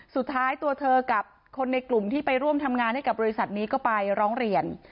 สุดท้ายตัวเธอกับคนในกลุ่มที่ไปร่วมทำงานให้กับบริษัทนี้ก็ไปร้องเรียน